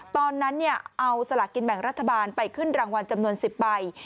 ตอนนั้นเอาสลากกินแบ่งรัฐบาลไปขึ้นรางวัลจำนวน๑๐ใบ